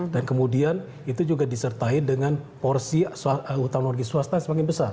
dan kemudian itu juga disertai dengan porsi utang luar negeri swasta yang semakin besar